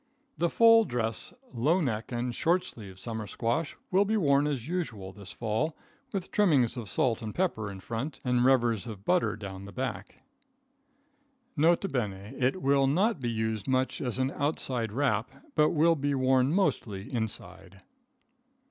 The full dress, low neck and short sleeve summer squash will be worn as usual this fall, with trimmings of salt and pepper in front and revers of butter down the back. N.B. It will not be used much as an outside wrap, but will be worn mostly inside.